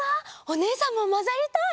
おねえさんもまざりたい！